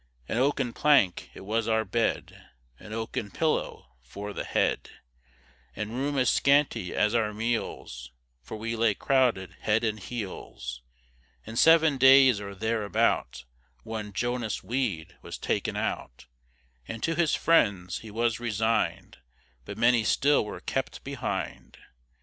An oaken plank, it was our bed, An oaken pillow for the head, And room as scanty as our meals, For we lay crowded head and heels. In seven days or thereabout, One Jonas Weed was taken out, And to his friends he was resign'd, But many still were kept behind.